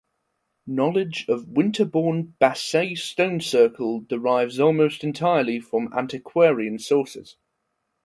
Knowledge of Winterbourne Bassett Stone Circle derives almost entirely from antiquarian sources.